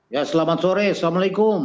ya selamat sore assalamualaikum